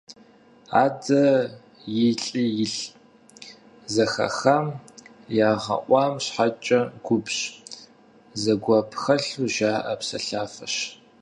«Адэ илӏи-илӏ» - зэхахам, ялъэгъуам щхьэкӀэ губжь, зэгуэп хэлъу жаӀэ псэлъафэщ.